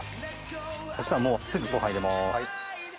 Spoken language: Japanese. そしたらすぐご飯入れます。